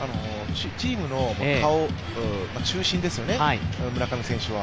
チームの顔、中心ですよね、村上選手は。